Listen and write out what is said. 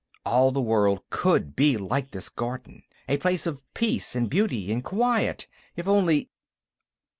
All the world could be like this garden, a place of peace and beauty and quiet, if only....